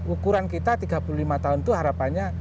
ukuran kita tiga puluh lima tahun itu harapannya